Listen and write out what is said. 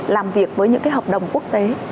làm việc với những cái hợp đồng quốc tế